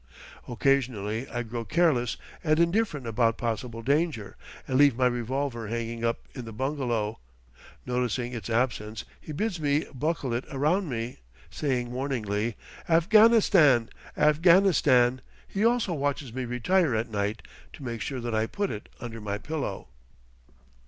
Occasionally I grow careless and indifferent about possible danger, and leave my revolver hanging up in the bungalow; noticing its absence, he bids me buckle it around me, saying warningly, "Afghanistan; Afghanistan;" he also watches me retire at night to make sure that I put it under my pillow.